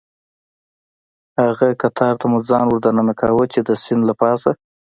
هغه قطار ته مو ځان وردننه کاوه، چې د سیند له پاسه.